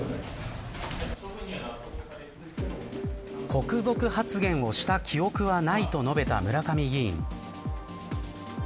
国賊発言をした記憶はないと述べた村上議員。